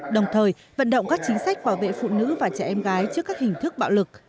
đồng thời vận động các chính sách bảo vệ phụ nữ và trẻ em gái trước các hình thức bạo lực